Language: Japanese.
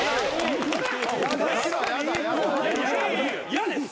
嫌です！